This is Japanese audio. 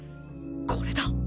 これだ